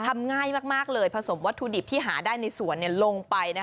ทำง่ายมากเลยผสมวัตถุดิบที่หาได้ในสวนลงไป